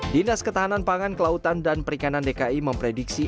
dinas ketahanan pangan kelautan dan perikanan dki memprediksi